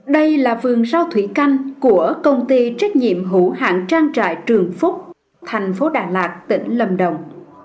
đây là vườn rau thủy canh của công ty trách nhiệm hữu hạng trang trại trường phúc thành phố đà lạt tỉnh lâm đồng